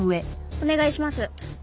お願いします。